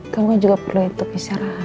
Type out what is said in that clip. kamu juga perlu hidup bisa rahat